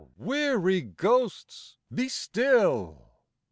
weary ghosts, be still!